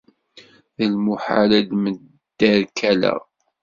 D lmuḥal ad mderkaleɣ!